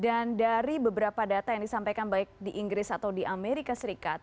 dan dari beberapa data yang disampaikan baik di inggris atau di amerika serikat